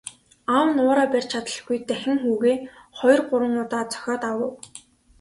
Аав нь уураа барьж чадалгүй дахин хүүгээ хоёр гурван удаа цохиод авав.